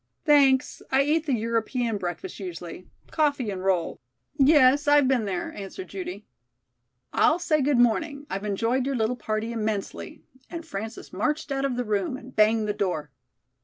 "Thanks; I eat the European breakfast usually coffee and roll " "Yes, I've been there," answered Judy. "I'll say good morning. I've enjoyed your little party immensely," and Frances marched out of the room and banged the door.